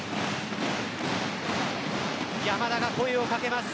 山田が声を掛けます